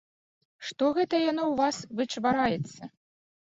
Што гэта яно ў вас вычвараецца?